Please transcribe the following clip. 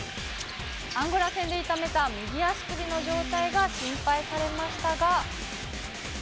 アンゴラ戦で痛めた右足首の状態が心配されましたが。